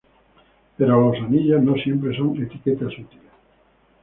Pero los anillos no siempre son etiquetas útiles.